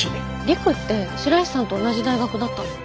陸って白石さんと同じ大学だったの？